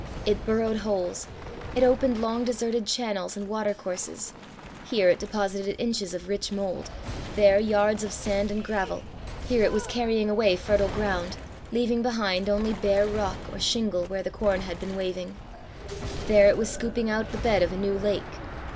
It burrowed holes, it opened long deserted channels and water courses; here it deposited inches of rich mould, there yards of sand and gravel; here it was carrying away fertile ground, leaving behind only bare rock or shingle where the corn had been waving; there it was scooping out the bed of a new lake.